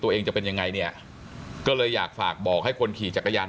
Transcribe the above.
ตัวเองจะเป็นยังไงเนี่ยก็เลยอยากฝากบอกให้คนขี่จักรยาน